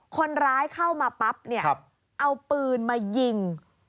คนร้ายเข้ามาปั๊บเนี่ยเอาปืนมายิง